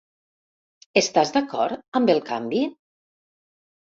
Estàs d'acord amb el canvi?